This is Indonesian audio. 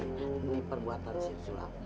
ini perbuatan si sulam